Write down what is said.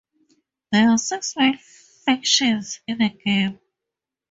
There are six main factions in the game.